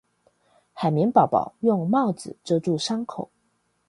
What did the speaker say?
海綿寶寶用帽子遮住傷口